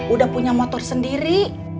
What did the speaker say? udah punya motor sendiri